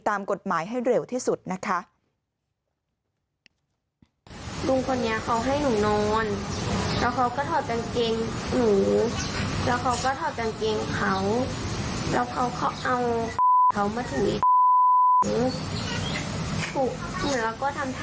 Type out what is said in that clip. ตามกฎหมายให้เร็วที่สุดนะคะ